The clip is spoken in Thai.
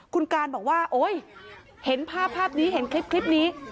คุณการบอกว่าโอ๊ยเห็นภาพภาพนี้เห็นคลิปนี้